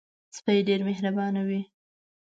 سپي ډېر مهربانه وي.